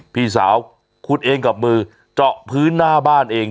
พี่สาวขุดเองกับมือเจาะพื้นหน้าบ้านเอง